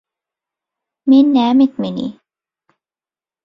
Men näme etmeli?